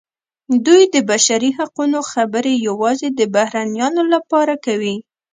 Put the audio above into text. دوی د بشري حقونو خبرې یوازې د بهرنیانو لپاره کوي.